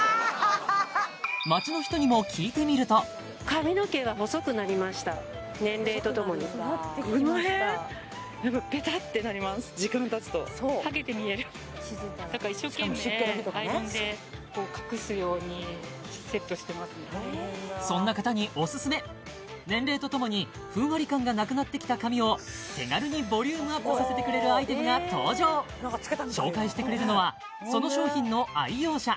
街の人にも聞いてみるとこの辺やっぱだからそんな方にオススメ年齢とともにふんわり感がなくなってきた髪を手軽にボリュームアップさせてくれるアイテムが登場紹介してくれるのはその商品の愛用者